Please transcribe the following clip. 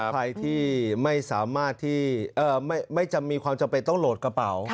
ใครที่ไม่สามารถที่ไม่จำมีความจำเป็นต้องโหลดกระเป๋า